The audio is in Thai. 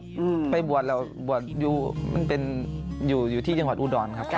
ก็ได้บวชเราบวชมันเป็นอยู่ที่จังหวัดอุดรครับ